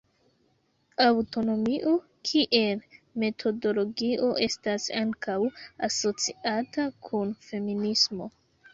Aŭtonomio kiel metodologio estas ankaŭ asociata kun feminismo.